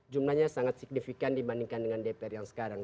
jumlahnya sangat signifikan dibandingkan dengan dpr yang sekarang